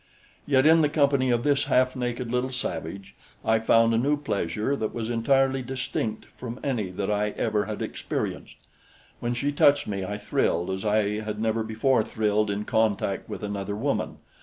Yet in the company of this half naked little savage I found a new pleasure that was entirely distinct from any that I ever had experienced. When she touched me, I thrilled as I had never before thrilled in contact with another woman.